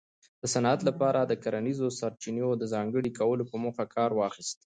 د صنعت لپاره د کرنیزو سرچینو د ځانګړي کولو په موخه کار واخیست